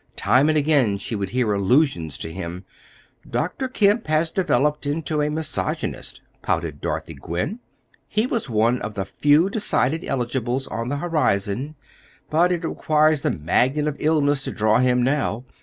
Time and again she would hear allusions to him. "Dr. Kemp has developed into a misogynist," pouted Dorothy Gwynne. "He was one of the few decided eligibles on the horizon, but it requires the magnet of illness to draw him now.